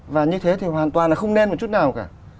và như thế thì hoàn toàn là không nên một chút nào cả